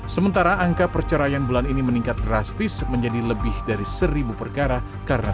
sementara angka perceraian bulan ini meningkat drastis menjadi lebih dari seribu perkara